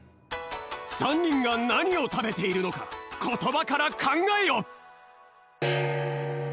３にんがなにをたべているのかことばからかんがえよ！